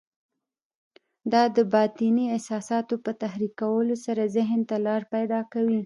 دا د باطني احساساتو په تحريکولو سره ذهن ته لاره پيدا کوي.